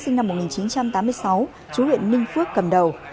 sinh năm một nghìn chín trăm tám mươi sáu chú huyện ninh phước cầm đầu